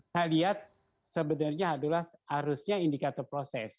saya lihat sebenarnya adalah harusnya indikator proses